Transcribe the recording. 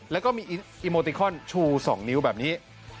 แล้วก็มีอีโมติคอนชู๒นิ้วแบบนี้